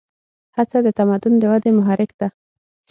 هڅه د تمدن د ودې محرک ده.